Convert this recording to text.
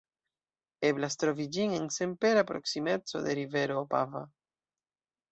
Eblas trovi ĝin en senpera proksimeco de rivero Opava.